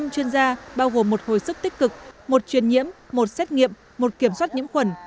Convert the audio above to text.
năm chuyên gia bao gồm một hồi sức tích cực một truyền nhiễm một xét nghiệm một kiểm soát nhiễm khuẩn